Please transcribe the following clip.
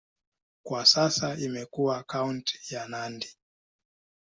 Kwa sasa imekuwa kaunti ya Nandi.